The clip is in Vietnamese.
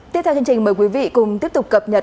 tiếp theo chương trình mời quý vị cùng tiếp tục cập nhật